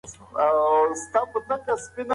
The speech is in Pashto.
که پښتورګي خراب وي، ویټامین ګټه نه کوي.